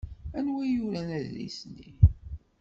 Anwa i yuran adlis-nni?